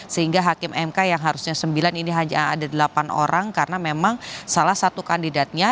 sehingga hakim mk yang harusnya sembilan ini hanya ada delapan orang karena memang salah satu kandidatnya